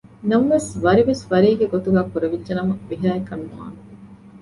ނަމަވެސް ވަރިވެސް ވަރީގެ ގޮތުގައި ކުރެވިއްޖެ ނަމަ ވިހައަކަށް ނުވާނެ